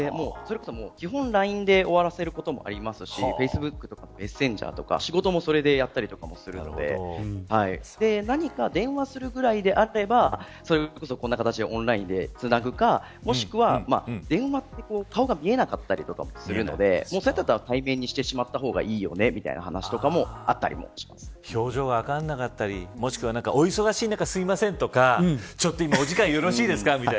それこそ、基本ＬＩＮＥで終わらせることもありますしフェイスブックとかメッセンジャーとか、仕事もそれでやったりとかするんで何か電話するぐらいであればそれこそ、こんな形でオンラインでつなぐかもしくは、電話って顔が見えなかったりとかもするのでだったら対面にしてしまった方がいいよねみたいな話とかも表情が分からなかったりもしくはお忙しい中